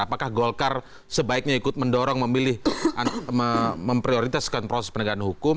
apakah golkar sebaiknya ikut mendorong memprioritaskan proses penegahan hukum